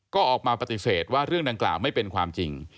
ก็ออกมาปฏิเสธว่าเรื่องดังกล่าวไม่เป็นความจริง